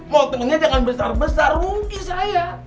mau temennya jangan besar besar rugi saya